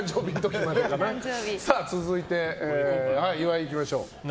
続いて、岩井いきましょう。